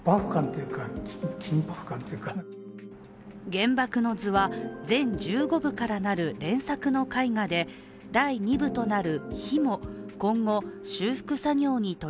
「原爆の図」は全１５部からなる連作の絵画であたらしいプレモル！